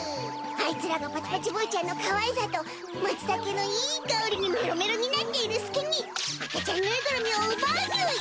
アイツらがパチパチブーちゃんのかわいさとマツタケのいい香りにメロメロになっている隙に赤ちゃんぬいぐるみを奪うにゅい！